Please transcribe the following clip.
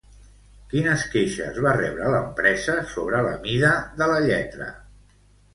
Quines queixes va rebre l'empresa sobre la mida de la lletra?